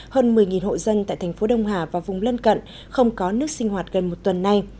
hơn một mươi hộ dân tại thành phố đông hà và vùng lân cận không có nước sinh hoạt gần một tuần nay